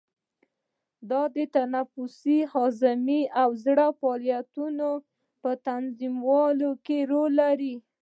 دا د تنفسي، هضمي او زړه فعالیتونو په تنظیمولو کې رول لري.